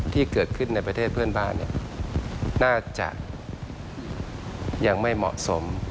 ที่เกิดขึ้นในประเทศเพื่อนบ้านน่าจะยังไม่เหมาะสม